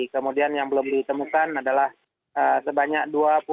kemudian yang belum ditemukan adalah sebanyak dua puluh